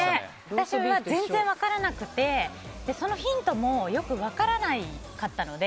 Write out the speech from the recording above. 私は全然分からなくてそのヒントもよく分からなかったので